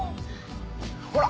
ほら！